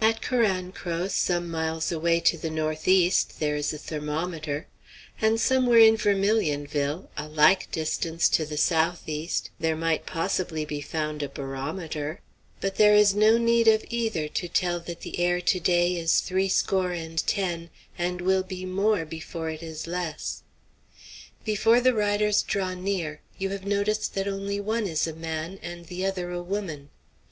At Carancro, some miles away to the north east, there is a thermometer; and somewhere in Vermilionville, a like distance to the south east, there might possibly be found a barometer; but there is no need of either to tell that the air to day is threescore and ten and will be more before it is less. Before the riders draw near you have noticed that only one is a man and the other a woman.